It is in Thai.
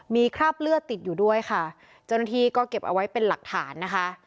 มีคราบเลือดติดอยู่ด้วยค่ะเจ้าหน้าที่ก็เก็บเอาไว้เป็นหลักฐานนะคะ